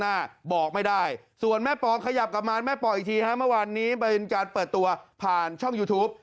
มาวานแม่ปองอีกทีครับเมื่อวานนี้บริจารณ์เปิดตัวผ่านช่องยูทูป